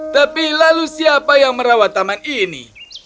tapi lalu siapa yang merawat taman ini